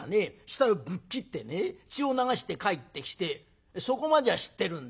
額をぶっ切ってね血を流して帰ってきてそこまでは知ってるんだがね